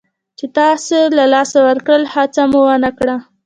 چې تاسو له لاسه ورکړل او هڅه مو ونه کړه.